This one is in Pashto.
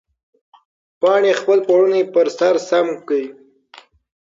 پاڼې خپل پړونی پر سر سم کړ.